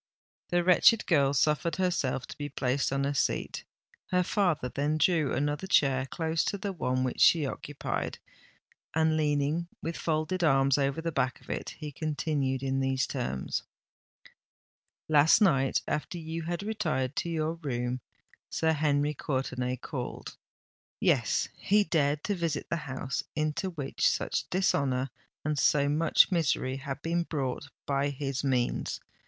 The wretched girl suffered herself to be placed on a seat: her father then drew another chair close to the one which she occupied—and, leaning with folded arms over the back of it, he continued in these terms:—— "Last night—after you had retired to your room—Sir Henry Courtenay called. Yes—he dared to visit the house into which such dishonour and so much misery had been brought by his means.